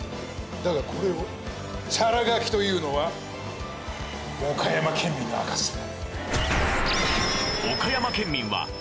だがこれをチャラ書きと言うのは岡山県民の証だ。